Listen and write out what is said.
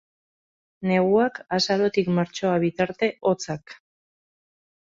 Neguak, azarotik martxoa bitarte, hotzak.